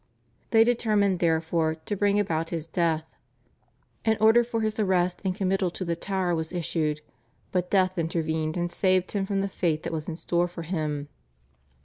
They determined therefore to bring about his death. An order for his arrest and committal to the Tower was issued, but death intervened and saved him from the fate that was in store for him.